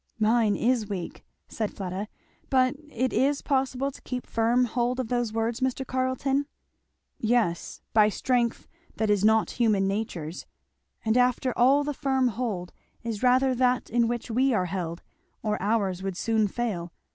"Mine is weak," said Fleda. "But it is possible to keep firm hold of those words, Mr. Carleton?" "Yes by strength that is not human nature's And after all the firm hold is rather that in which we are held, or ours would soon fail.